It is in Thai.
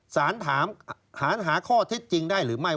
หารหาข้อเท็จจริงได้หรือไม่